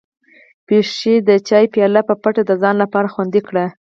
پيشو د چای پياله په پټه د ځان لپاره خوندي کړه.